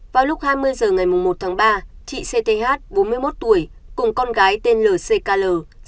vào lúc hai mươi h ngày một tháng ba chị cth bốn mươi một tuổi cùng con gái tên lckl